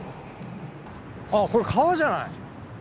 あっこれ川じゃない！